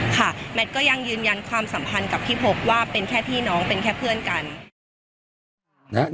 แมทก็ยังยืนยันความสัมพันธ์กับพี่พบว่าเป็นแค่พี่น้องเป็นแค่เพื่อนกัน